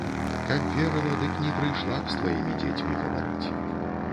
Каб верыла, дык не прыйшла б з тваімі дзецьмі гаварыць.